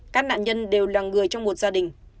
các nạn nhân đều là người trong một gia đình